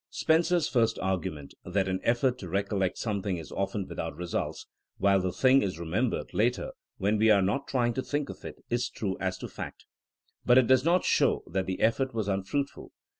Spencer's first argument, that an effort to recollect something is often without results, while the thing is remembered later when we are not trying to think of it, is true as to fact. But it does not show that the effort was un fruitful.